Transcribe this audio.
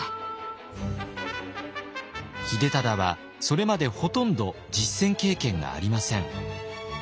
秀忠はそれまでほとんど実戦経験がありません。